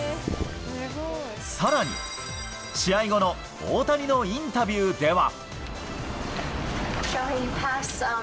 さらに、試合後の大谷のインタビューでは。